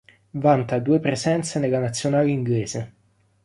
Vanta due presenze nella Nazionale inglese.